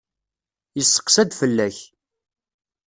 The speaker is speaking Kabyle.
Yesseqsa-d fell-ak.